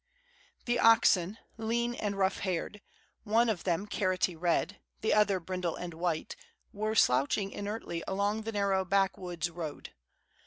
The oxen, lean and rough haired, one of them carroty red, the other brindle and white, were slouching inertly along the narrow backwoods road.